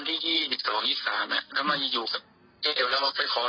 แล้วเขาก็ต้องโยนคำถามไปให้ลุงพล